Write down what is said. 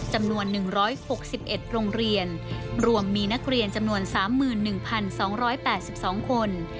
จำนวน๑๖๑โรงเรียนรวมมีนักเรียนจำนวน๓๑๒๘๒คน